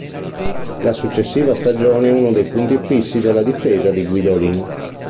La successiva stagione è uno dei punti fissi della difesa di Guidolin.